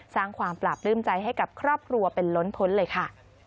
สร้างความปราบปลื้มใจให้กับครอบครัวเป็นล้นพ้นเลยค่ะ